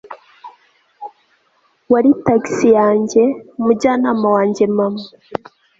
wari tagisi yanjye, umujyanama wanjye, mama